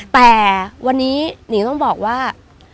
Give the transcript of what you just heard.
แต่วันนี้หนิงต้องบอกว่า